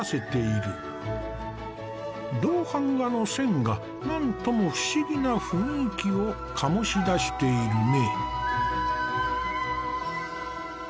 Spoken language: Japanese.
銅版画の線が何とも不思議な雰囲気を醸しだしているね。